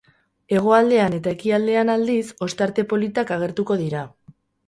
Hegoaldean eta ekialdean, aldiz, ostarte politak agertuko dira.